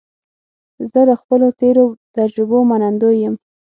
زه له خپلو تېرو تجربو منندوی یم.